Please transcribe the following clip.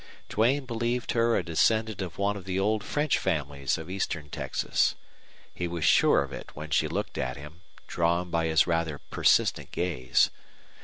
Duane believed her a descendant of one of the old French families of eastern Texas. He was sure of it when she looked at him, drawn by his rather persistent gaze.